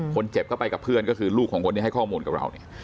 คนเจ็บก็ไปกับเพื่อนก็คือลูกของคนที่ให้ข้อมูลกับเราเนี่ย